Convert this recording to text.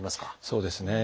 そうですね。